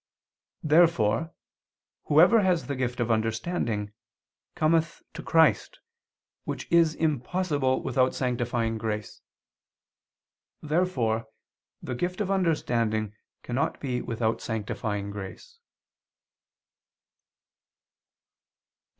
Therefore whoever has the gift of understanding, cometh to Christ, which is impossible without sanctifying grace. Therefore the gift of understanding cannot be without sanctifying grace.